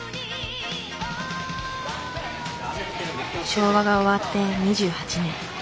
昭和が終わって２８年。